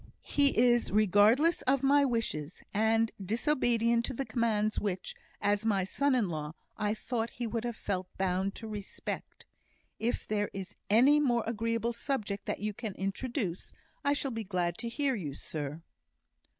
He is regardless of my wishes; and disobedient to the commands which, as my son in law, I thought he would have felt bound to respect. If there is any more agreeable subject that you can introduce, I shall be glad to hear you, sir."